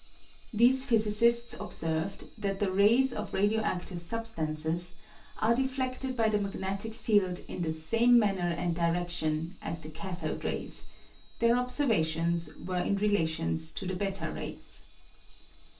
These physicists observed that the rays of radio adive substances are defleded by the magnetic field in the same manner and diredion as the cathode rays ; their observations were in relation to the ^ rays.